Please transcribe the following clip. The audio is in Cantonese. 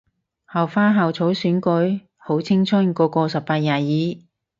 校花校草選舉？好青春個個十八廿二